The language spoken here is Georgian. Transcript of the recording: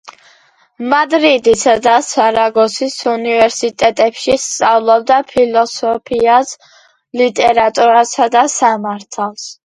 მადრიდისა და სარაგოსის უნივერსიტეტებში სწავლობდა ფილოსოფიას, ლიტერატურასა და სამართალს.